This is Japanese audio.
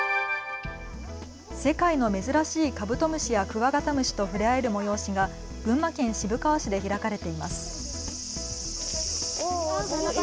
世界の珍しいカブトムシやクワガタムシと触れ合える催しが群馬県渋川市で開かれています。